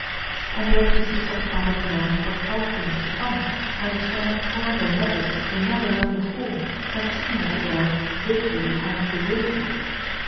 And yet we see such kind of men foretell things to come, understand tongues and letters they never learned before, and seem, as it were, big with a kind of divinity.